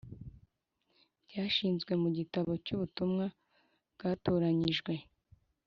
byashyizwe mu gitabo cy’Ubutumwa Bwatoranyijwe.